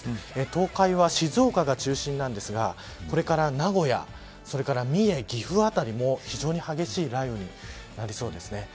東海は静岡が中心なんですがこれから名古屋三重、岐阜辺りも非常に激しい雷雨になりそうですね。